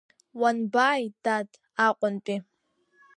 Уанбааи, дад, Аҟәантәи?